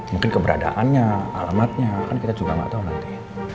mungkin keberadaannya alamatnya kan kita juga gak tau nanti